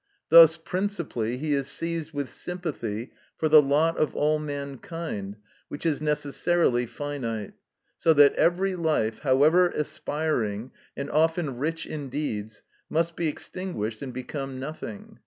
Thus, principally, he is seized with sympathy for the lot of all mankind, which is necessarily finite, so that every life, however aspiring, and often rich in deeds, must be extinguished and become nothing.